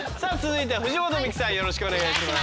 よろしくお願いします。